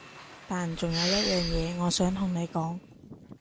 但仲有一樣嘢我想同你講